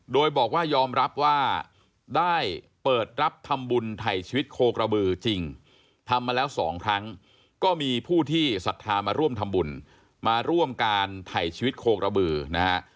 โดยบอกว่ายอมรับว่าได้เปิดรับทำบุญไถ่ชีวิตโคกระบือจริงทำมาแล้วสองครั้งก็มีผู้ที่ศรัทธามาร่วมทำบุญมาร่วมการถ่ายชีวิตโคกระบือนะฮะ